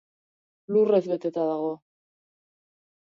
Lurrez beteta dago.